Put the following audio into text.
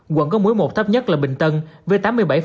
quận có mũi một thấp nhất là bình tân với tám mươi bảy